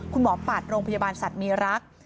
คุณหมอปัดโรงพยาบาลสัตว์มีรัก